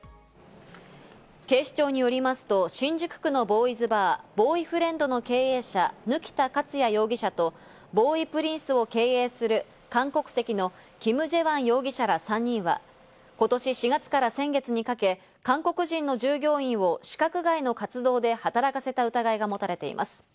警視庁によりますと、新宿区のボーイズバー「ボーイフレンド」の経営者・貫田勝哉容疑者と、「ボーイズプリンス」を経営する韓国籍のキム・ジェワン容疑者ら３人は今年４月から先月にかけ、韓国人の従業員を資格外の活動で働かせた疑いが持たれています。